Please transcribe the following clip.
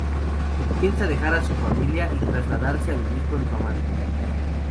Piensa dejar a su familia y trasladarse a vivir con su amante.